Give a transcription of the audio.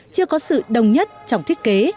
chưa có sự đồng nhất trong thiết kế